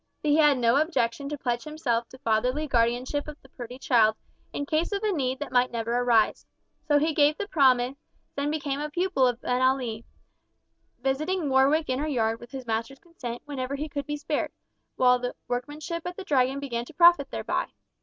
But he had no objection to pledge himself to fatherly guardianship of the pretty child in case of a need that might never arise. So he gave the promise, and became a pupil of Abenali, visiting Warwick Inner Yard with his master's consent whenever he could be spared, while the workmanship at the Dragon began to profit thereby.